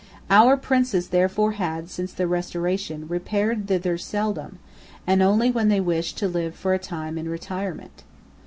Our princes therefore had, since the Restoration, repaired thither seldom, and only when they wished to live for a time in retirement.